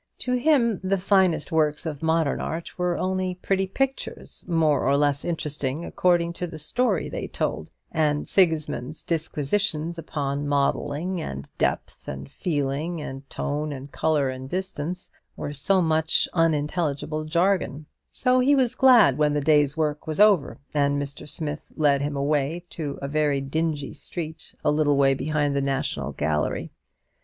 To him the finest works of modern art were only "pretty pictures," more or less interesting according to the story they told; and Sigismund's disquisitions upon "modelling," and "depth," and "feeling," and tone, and colour, and distance, were so much unintelligible jargon; so he was glad when the day's work was over, and Mr. Smith led him away to a very dingy street a little way behind the National Gallery.